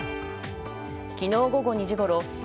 昨日午後２時ごろ